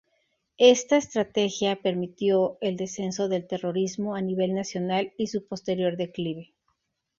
Esta estrategia permitió el descenso del terrorismo a nivel nacional y su posterior declive.